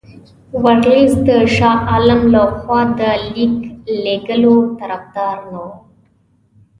ورلسټ د شاه عالم له خوا د لیک لېږلو طرفدار نه وو.